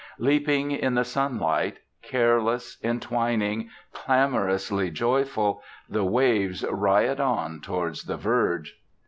Leaping in the sunlight, careless, entwining, clamorously joyful, the waves riot on towards the verge.